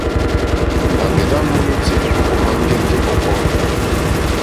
Mbaŋgè ja menuti òma ŋgɛŋgi hvɔkɔ.